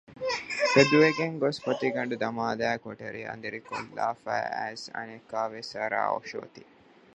ތެދުވެގެން ގޮސް ފޮތިގަނޑު ދަމާލައި ކޮޓަރި އަނދިރިކޮށްލާފައި އައިސް އަނެއްކާވެސް އަރާ އޮށޯތީ